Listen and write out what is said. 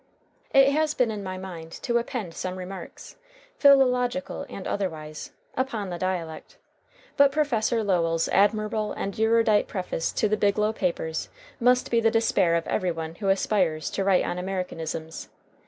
It has been in my mind to append some remarks, philological and otherwise, upon the dialect, but Professor Lowell's admirable and erudite preface to the Biglow Papers must be the despair of every one who aspires to write on Americanisms.